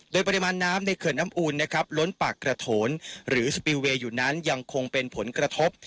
โดยปริมาณน้ำในเขื่อนน้ำอูนนะครับล้นปากกระโถนหรือสปิลเวย์อยู่นั้นยังคงเป็นผลกระทบ